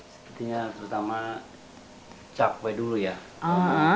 sebenarnya terutama cakwe dulu ya